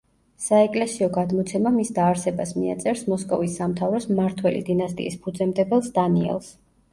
საეკლესიო გადმოცემა მის დაარსებას მიაწერს მოსკოვის სამთავროს მმართველი დინასტიის ფუძემდებელს დანიელს.